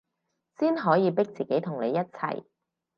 先可以逼自己同你一齊